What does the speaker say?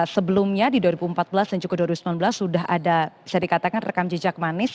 sebelumnya di dua ribu empat belas dan juga dua ribu sembilan belas sudah ada bisa dikatakan rekam jejak manis